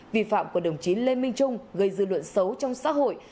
vi phạm của đồng chí lê minh trung gây dư luận xấu trong xã hội